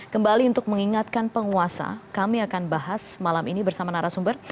kembali untuk mengingatkan penguasa kami akan bahas malam ini bersama narasumber